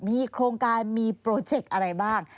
มีโครงการมีโปรเจคอะไรบ้าง